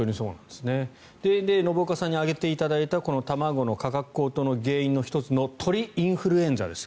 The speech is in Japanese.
で、信岡さんに挙げていただいたこの卵の価格高騰の原因の１つの鳥インフルエンザです。